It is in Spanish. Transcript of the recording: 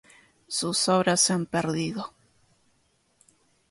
Sus obras se han perdido.